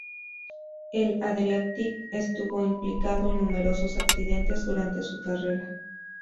El Adriatic estuvo implicado en numerosos accidentes durante su carrera.